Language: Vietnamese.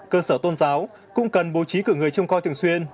cơ sở tôn giáo cũng cần bố trí cử người trông coi thường xuyên